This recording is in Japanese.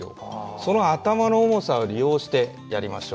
その頭の重さを利用してやります。